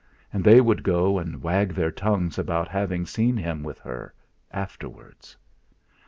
And they would go and wag their tongues about having seen him with her, afterwards.